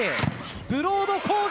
ブロード攻撃。